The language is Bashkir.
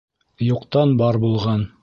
Юҡтан бар булған.